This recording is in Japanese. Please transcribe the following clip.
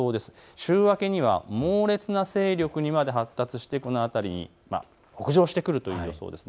週明けには猛烈な勢力にまで発達しこの辺り、北上してくる予想です。